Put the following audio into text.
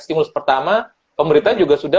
stimulus pertama pemerintah juga sudah